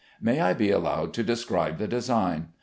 May I be allowed to describe the design?